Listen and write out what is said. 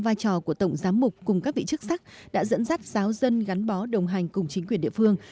vai trò của tổng giám mục cùng các vị chức sắc đã dẫn dắt giáo dân gắn bó đồng hành cùng chính quyền địa phương